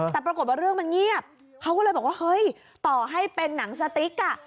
แต่ปรากฏว่าเรื่องมันเงียบเขาก็เลยบอกว่าเฮ้ยต่อให้เป็นหนังสติ๊กอ่ะ